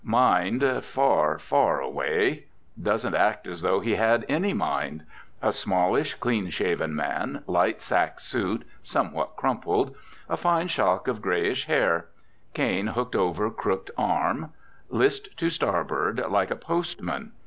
Mind far, far away. Doesn't act as though he had any mind. A smallish, clean shaven man, light sack suit, somewhat crumpled. A fine shock of greyish hair. Cane hooked over crooked arm. List to starboard, like a postman.